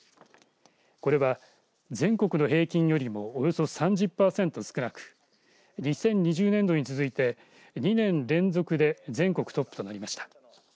これは全国の平均よりもおよそ３０パーセント少なく２０２０年度に続いて２年連続で全国トップとなりました。